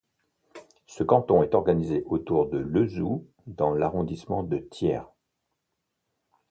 Ce canton est organisé autour de Lezoux dans l'arrondissement de Thiers.